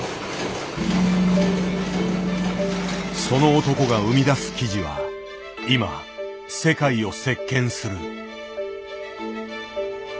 その男が生み出す生地は今世界を席けんする。